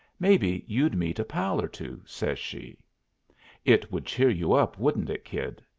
Maybe you'd meet a pal or two," says she. "It would cheer you up, wouldn't it, Kid?"